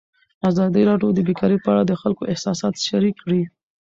ازادي راډیو د بیکاري په اړه د خلکو احساسات شریک کړي.